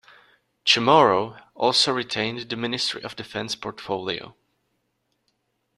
Chamorro also retained the Ministry of Defense portfolio.